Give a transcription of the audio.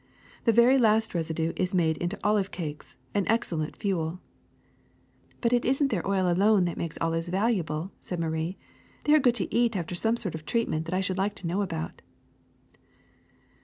The very last residue is made into oil cakes, an excellent fuel.'' '^But it isn't their oil alone that makes olives valuable," said Marie; ^'they are good to eat after some sort of treatment that I should like to know about.